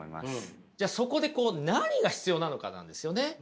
そこでこう何が必要なのかなんですよね。